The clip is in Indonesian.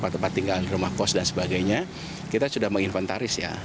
tempat tinggal di rumah kos dan sebagainya kita sudah menginventaris ya